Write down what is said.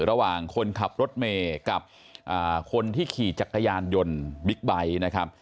ระหว่างคนขับรถเมย์กับคนที่ขี่จักรยานยนต์บิ๊กไบท์นะครับ